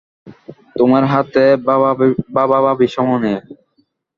তোমার হাতে ভাবাভাবির সময় নেই।